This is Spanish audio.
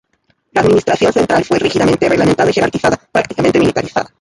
La administración central fue rígidamente reglamentada y jerarquizada, prácticamente militarizada.